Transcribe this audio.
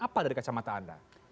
apa dari kacamata anda